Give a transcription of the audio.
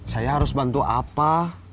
saya harus bantu apa